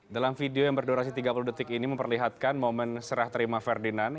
dalam video yang berdurasi tiga puluh detik ini memperlihatkan momen serah terima ferdinand